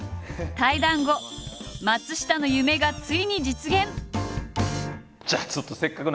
対談後松下の夢がついに実現。